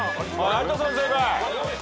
有田さん正解。